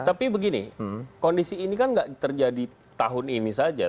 tapi begini kondisi ini kan gak terjadi tahun ini saja